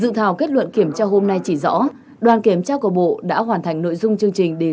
là sự kiện âm nhạc do bộ công an tổ chức